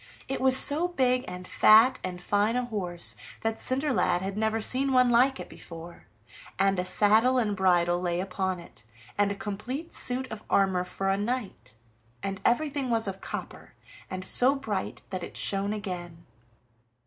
It was so big, and fat, and fine a horse that Cinderlad had never seen one like it before, and a saddle and bridle lay upon it, and a complete suit of armor for a knight, and everything was of copper, and so bright that it shone again.